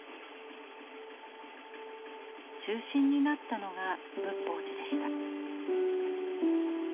中心になったのが仏法寺でした。